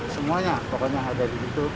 semuanya pokoknya ada di youtube